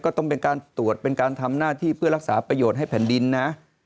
ก็ต้องเป็นการตรวจเป็นการทำหน้าที่เพื่อรักษาประโยชน์ให้แผ่นดินนะ